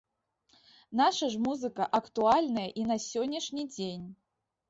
Наша ж музыка актуальная і на сённяшні дзень.